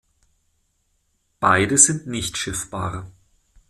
Beide sind nicht schiffbar.